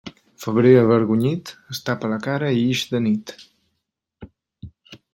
Febrer avergonyit, es tapa la cara i ix de nit.